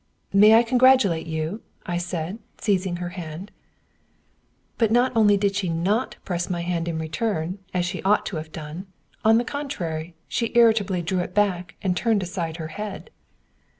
"May I congratulate you?" I said, seizing her hand. But not only did she not press my hand in return, as she ought to have done; on the contrary, she irritably drew it back and turned aside her head.